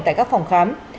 tại các phòng khám